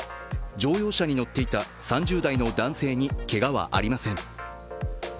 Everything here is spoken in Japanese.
乗用車に乗っていた３０代の男性にけがはありません。